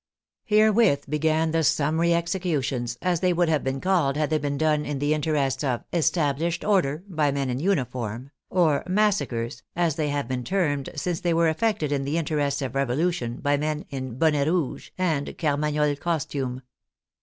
Herewith began the summary executions, as they would have have been called had they been done in the interests of " established order " by men in uniform, or massacres, as they have been termed since they were ef fected in the interests of revolution by men in bonnet rouge and Carmagnole costume.